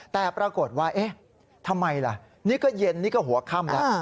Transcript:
แต่ปรากฏว่าเอ๊ะทำไมล่ะนี่ก็เย็นนี่ก็หัวค่ำแล้ว